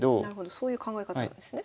そういう考え方なんですね。